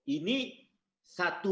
ini kita harus menghitung